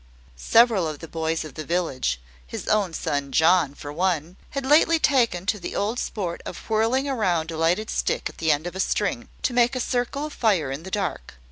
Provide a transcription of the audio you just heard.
Several of the boys of the village his own son John for one had lately taken to the old sport of whirling round a lighted stick at the end of a string, to make a circle of fire in the dark.